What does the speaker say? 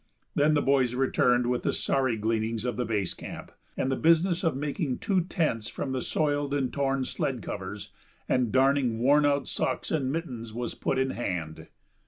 Then the boys returned with the sorry gleanings of the base camp, and the business of making two tents from the soiled and torn sled covers and darning worn out socks and mittens, was put in hand.